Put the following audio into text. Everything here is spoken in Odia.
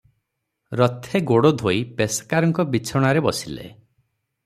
ରଥେ ଗୋଡ ଧୋଇ ପେସ୍କାରଙ୍କ ବିଛଣାରେ ବସିଲେ ।